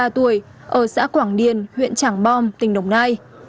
hai mươi ba tuổi ở xã quảng điền huyện trảng bom tỉnh đồng nai